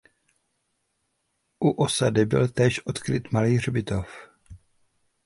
U osady byl též odkryt malý hřbitov.